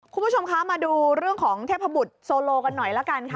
คุณผู้ชมคะมาดูเรื่องของเทพบุตรโซโลกันหน่อยละกันค่ะ